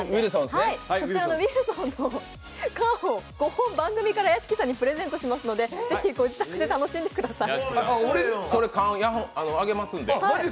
Ｗｉｌｓｏｎの缶を５本、番組から屋敷さんにプレゼントしますのでぜひご自宅で楽しんでください。